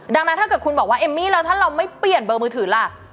ดังนั้นถ้าเกิดคุณบอกว่าเอมมี่แล้วถ้าเราไม่เปลี่ยนเบอร์มือถือล่ะ